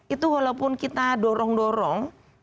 itu walaupun kita dorong dorong